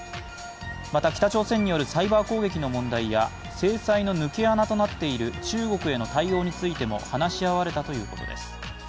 また、北朝鮮によるサイバー攻撃の問題や制裁の抜け穴となっている中国への対応についても話し合われたということです。